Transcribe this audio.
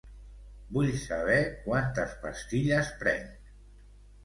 Vull saber quantes pastilles prenc.